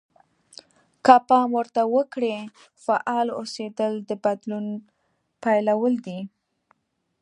که پام ورته وکړئ فعال اوسېدل د بدلون پيلول دي.